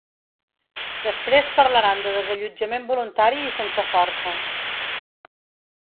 Després parlaran de desallotjament voluntari i sense força.